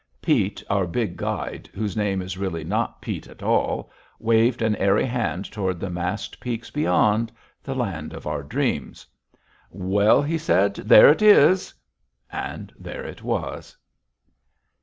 Pete, our big guide, whose name is really not Pete at all, waved an airy hand toward the massed peaks beyond the land of our dreams. "Well," he said, "there it is!" And there it was.